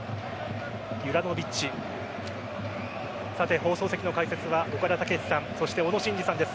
放送席の解説は岡田武史さんそして小野伸二さんです。